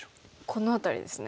この辺りですね。